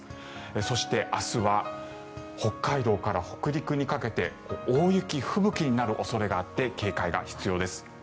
そして明日は北海道から北陸にかけて大雪、吹雪になる恐れがあって警戒が必要です。